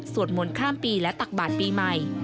มนต์ข้ามปีและตักบาทปีใหม่